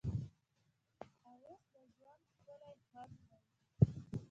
ښایست د ژوند ښکلی خوند دی